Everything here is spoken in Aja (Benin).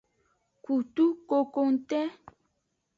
Kutu kokongte.